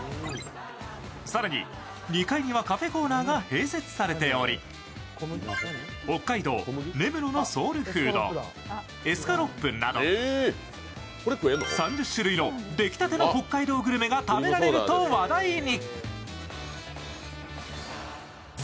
更に２階にはカフェコーナーが併設されており北海道・根室のソウルフード、エスカロップなど３０種類の出来たての北海道グルメが食べられると話題に。